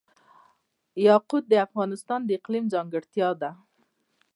یاقوت د افغانستان د اقلیم ځانګړتیا ده.